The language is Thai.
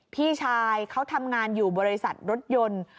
พี่ชายเขาทำงานอยู่บริษัทรถยนต์